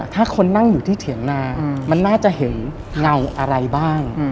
ถ้าคนนั่งอยู่ที่เถียงนามันน่าจะเห็นเงาอะไรบ้าง